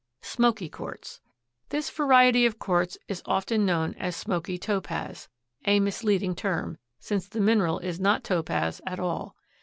Smoky Quartz.—This variety of quartz is often known as "smoky topaz," a misleading term, since the mineral is not topaz at all.